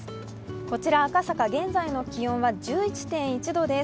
こちら赤坂、現在の気温は１１．１度ぇす。